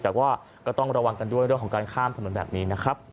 แต่ว่าก็ต้องระวังกันด้วยเรื่องของการข้ามถนนแบบนี้นะครับ